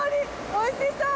おいしそう！